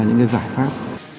những cái giải pháp